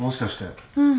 うん。